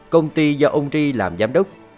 công ty do ông ri làm giám đốc